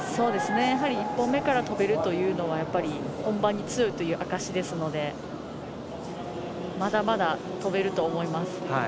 １本目から跳べるというのは本番に強い証しですのでまだまだ跳べると思います。